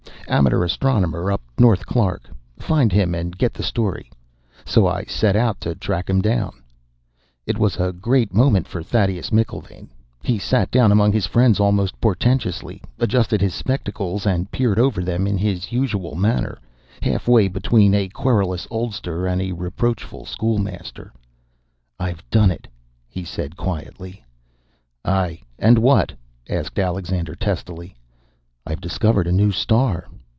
Amateur astronomer up North Clark. Find him and get a story.' So I set out to track him down...." It was a great moment for Thaddeus McIlvaine. He sat down among his friends almost portentously, adjusted his spectacles, and peered over them in his usual manner, half way between a querulous oldster and a reproachful schoolmaster. "I've done it," he said quietly. "Aye, and what?" asked Alexander testily. "I discovered a new star."